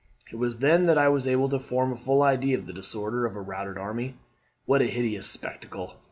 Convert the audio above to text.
It was then that I was able to form a full idea of the disorder of a routed army. What a hideous spectacle!